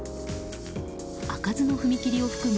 開かずの踏切を含む